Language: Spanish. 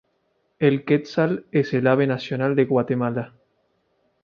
El quetzal es el ave nacional de Guatemala.